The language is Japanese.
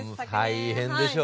大変でしょう。